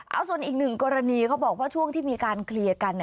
เอาส่วนอีกหนึ่งกรณีเขาบอกว่าช่วงที่มีการเคลียร์กัน